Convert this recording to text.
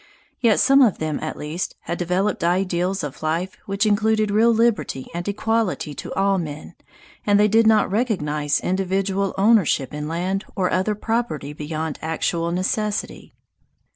Yet some of them at least had developed ideals of life which included real liberty and equality to all men, and they did not recognize individual ownership in land or other property beyond actual necessity.